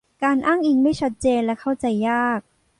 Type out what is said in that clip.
การอ้างอิงไม่ชัดเจนและเข้าใจยาก